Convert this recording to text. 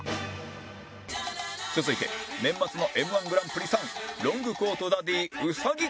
続いて年末の Ｍ−１ グランプリ３位ロングコートダディ兎